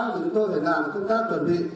chúng tôi phải làm công tác chuẩn bị